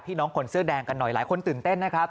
น้องคนเสื้อแดงกันหน่อยหลายคนตื่นเต้นนะครับ